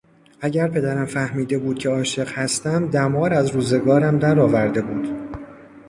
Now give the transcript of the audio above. اگر پدرم فهمیده بود که عاشق هستم دمار از روزگارم در آورده بود.